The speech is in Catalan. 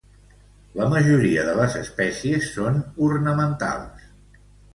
La majoria de les espècies són ornamentals.